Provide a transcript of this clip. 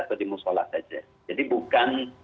atau di musola saja jadi bukan